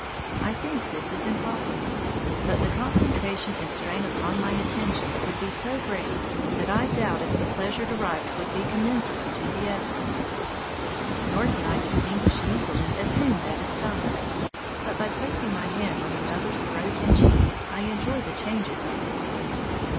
I think this is impossible; but the concentration and strain upon my attention would be so great that I doubt if the pleasure derived would be commensurate to the effort. Nor can I distinguish easily a tune that is sung. But by placing my hand on another's throat and cheek, I enjoy the changes of the voice.